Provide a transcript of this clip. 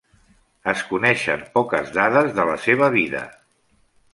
Es coneixen poques dades de la seva vida.